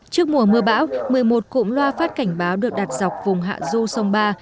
trước mùa mưa bão một mươi một cụm loa phát cảnh báo được đặt dọc vùng hạ du sông ba